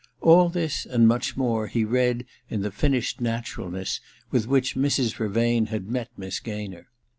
All this, and much more, he read in the finished naturalness with which Mrs. Vervain had met Miss Gaynor.